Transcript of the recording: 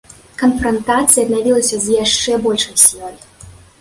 Канфрантацыя аднавілася з яшчэ большай сілай.